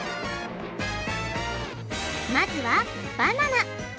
まずはバナナ。